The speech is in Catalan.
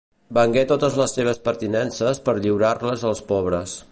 Vengué totes les seves pertinences per lliurar-les als pobres.